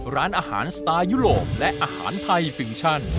ร้านอาหารสไตล์ยุโรปและอาหารไทยฟิวชั่น